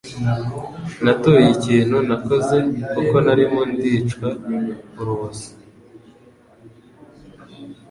Natuye ikintu ntakoze kuko narimo ndicwa urubozo.